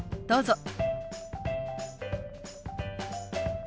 どうぞ。